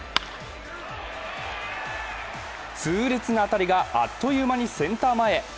痛烈な当たりがあっという間にセンター前へ。